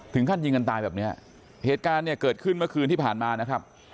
ถึงขั้นยิงกันตายแบบเนี้ยเหตุการณ์เนี่ยเกิดขึ้นเมื่อคืนที่ผ่านมานะครับ